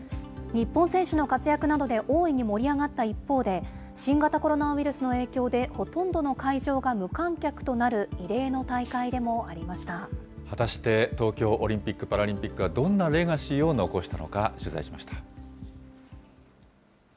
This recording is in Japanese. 日本選手の活躍などで大いに盛り上がった一方で、新型コロナウイルスの影響でほとんどの会場が無観客となる異例の果たして東京オリンピック・パラリンピックはどんなレガシーを残したのか、取材しました。